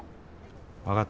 分かった。